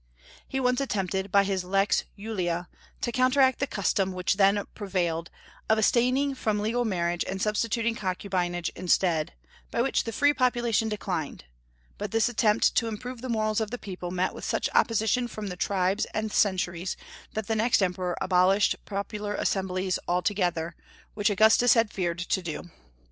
He once attempted, by his Lex Julia, to counteract the custom which then prevailed, of abstaining from legal marriage and substituting concubinage instead, by which the free population declined; but this attempt to improve the morals of the people met with such opposition from the tribes and centuries that the next emperor abolished popular assemblies altogether, which Augustus had feared to do.